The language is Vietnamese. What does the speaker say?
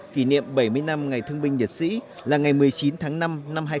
kỷ niệm bảy mươi năm ngày thương binh liệt sĩ là ngày một mươi chín tháng năm năm hai nghìn hai mươi